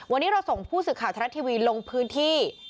วันนี้เราส่งผู้สื่อข่าวทรัฐทีวีลงพื้นที่